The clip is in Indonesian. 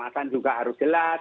nah awasan juga harus jelas